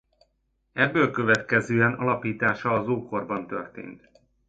Ebből következően alapítása az ókorban történt.